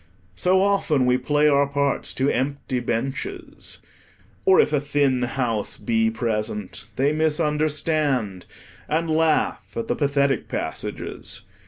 So often we play our parts to empty benches, or if a thin house be present, they misunderstand, and laugh at the pathetic passages.